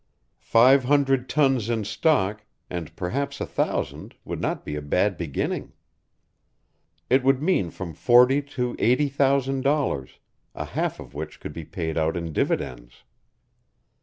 Five hundred tons in stock, and perhaps a thousand, would not be a bad beginning. It would mean from forty to eighty thousand dollars, a half of which could be paid out in dividends.